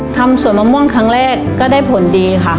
ทำสวนมะม่วงครั้งแรกก็ได้ผลดีค่ะ